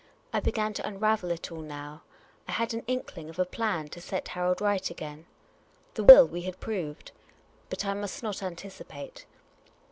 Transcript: I began to unravel it all now. I had an inkling of a plan to set Harold right again. The will we had proved but I must not anticipate.